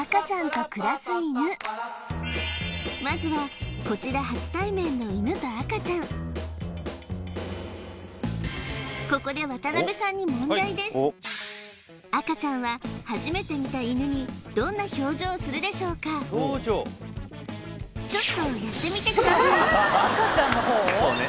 まずはこちら初対面の犬と赤ちゃんここで赤ちゃんは初めて見た犬にどんな表情をするでしょうか表情ちょっとやってみてくださいそうね